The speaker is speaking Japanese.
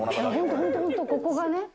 本当、ここがね。